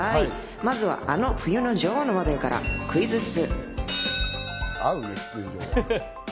まずは、あの冬の女王の話題からクイズッス！